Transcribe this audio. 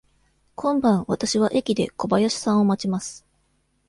今晩、わたしは駅で小林さんを待ちます。